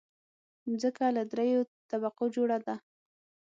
مځکه له دریو طبقو جوړه ده.